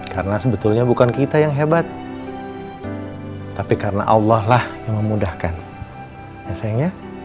karena sebetulnya bukan kita yang hebat tapi karena allah lah yang memudahkan ya sayang ya